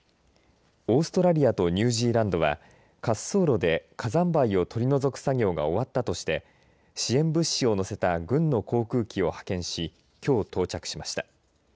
オーストラリアとニュージーランドは滑走路で火山灰を取り除く作業が終わったとして支援物資を載せた軍の航空機を派遣しきょう到着しました。